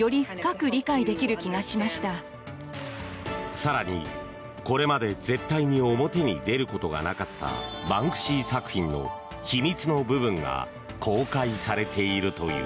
更に、これまで絶対に表に出ることがなかったバンクシー作品の秘密の部分が公開されているという。